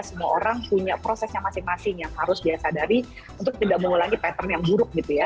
semua orang punya prosesnya masing masing yang harus dia sadari untuk tidak mengulangi pattern yang buruk gitu ya